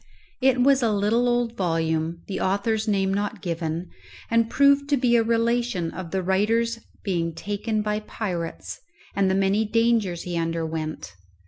It was a little old volume, the author's name not given, and proved to be a relation of the writer's being taken by pirates, and the many dangers he underwent.